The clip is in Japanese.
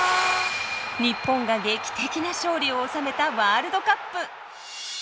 日本が劇的な勝利を収めたワールドカップ。